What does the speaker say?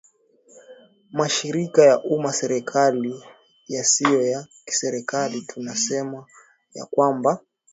mashirika ya umma serikali yasio ya kiserikali tunasema ya kwamba